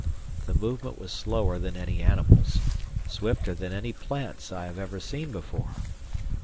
The movement was slower than any animal's, swifter than any plant's I have ever seen before.